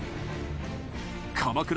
鎌倉